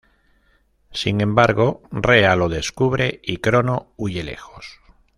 Sin embargo, Rea lo descubre y Crono huye lejos.